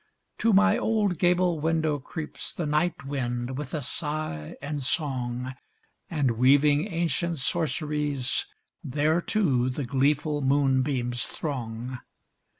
To my old gable window creeps The night wind with a sigh and song. And, weaving ancient sorceries. Thereto the gleeful moonbeams throng.